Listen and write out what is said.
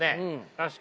確かに。